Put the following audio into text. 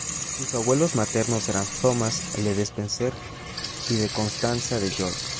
Sus abuelos maternos eran Thomas le Despenser y de Constanza de York.